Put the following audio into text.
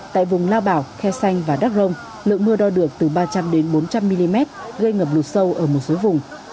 tại vùng lao bảo khe xanh và đắk rông lượng mưa đo được từ ba trăm linh bốn trăm linh mm gây ngập lụt sâu ở một số vùng